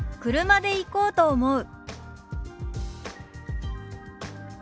「車で行こうと思う」。